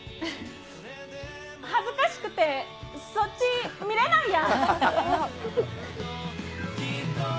恥ずかしくてそっち見れないや。